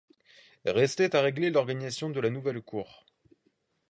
Restait à régler l'organisation de la nouvelle Cour.